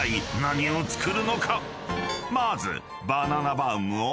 ［まず］